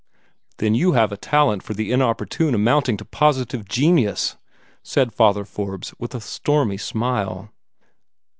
"Then you have a talent for the inopportune amounting to positive genius," said Father Forbes, with a stormy smile.